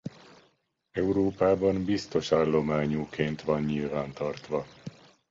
Európában biztos állományúként van nyilvántartva.